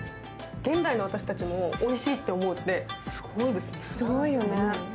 現代の私たちもおいしいと思うってすごいですよね。